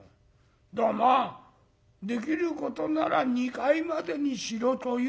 だからまあできることなら２階までにしろという戒めだよ。なあ？